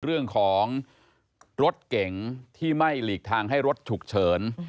เรื่องของรถเก๋งที่ไม่หลีกทางให้รถฉุกเฉิน